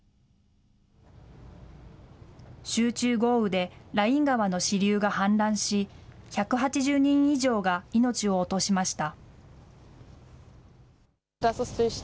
集中豪雨でライン川の支流が氾濫し、１８０人以上が命を落としました。